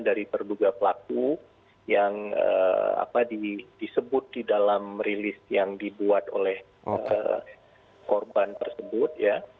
dari terduga pelaku yang disebut di dalam rilis yang dibuat oleh korban tersebut ya